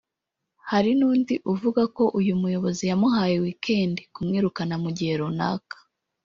Hari n’undi uvuga ko uyu muyobozi yamuhaye ‘weekend’ (kumwirukana mu gihe runaka)